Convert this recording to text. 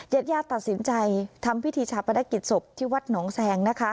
ญาติญาติตัดสินใจทำพิธีชาปนกิจศพที่วัดหนองแซงนะคะ